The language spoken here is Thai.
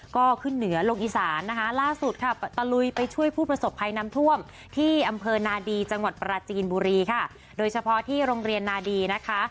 ก็ขึ้นเหนือลงอีสานนะคะล่าสุดค่ะตะลุยไปช่วยผู้ประสบภัยน้ำท่วมที่อำเภอนาดีจังหวัดปราจีนบุรีค่ะโดยเฉพาะที่โรงเรียนนาดีนะคะ